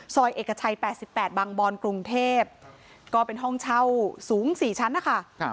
ซอยเอกชัย๘๘บางบอนกรุงเทพก็เป็นห้องเช่าสูง๔ชั้นนะคะ